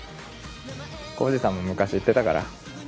晃司さんも昔言ってたから。